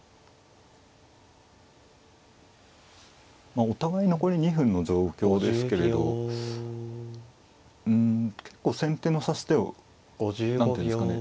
まあお互い残り２分の状況ですけれどうん結構先手の指し手を何ていうんですかね